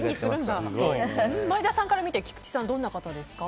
前田さんから見て菊池さんはどんな方ですか？